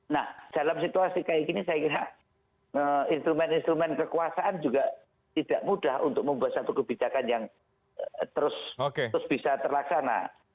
nah dalam situasi kayak gini saya kira instrumen instrumen kekuasaan juga tidak mudah untuk membuat satu kebijakan yang terus bisa terlaksana